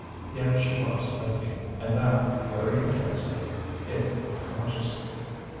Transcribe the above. Yet she was thinking, and that very intensely if unconsciously.